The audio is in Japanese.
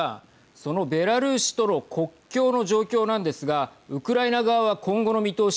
そのベラルーシとの国境の状況なんですがウクライナ側は今後の見通し